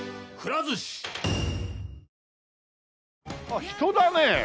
あっ人だね！